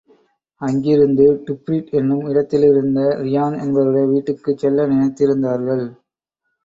அங்கிருந்து டுப்பிரிட் என்னும் இடத்திலிருந்த ரியான் என்பவருடைய வீட்டுக்குச் செல்ல நினைத்திருந்தார்கள்.